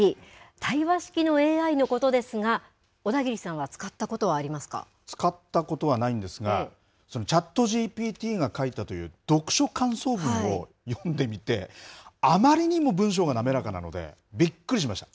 対話式のＡＩのことですが、小田切さんは使ったことはありますか使ったことはないんですが、そのＣｈａｔＧＰＴが書いたという読書感想文を読んでみて、あまりにも文章が滑らかなので、びっくりしました。